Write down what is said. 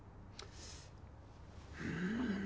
うん。